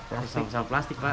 sampah plastik pak